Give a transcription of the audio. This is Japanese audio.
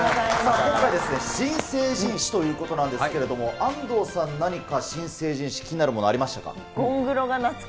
今回、新成人史ということなんですけれども、安藤さん、何か新成人史、気になるものありましたか？